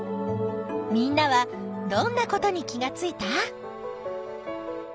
みんなはどんなことに気がついた？